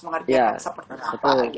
menghargai seperti apa gitu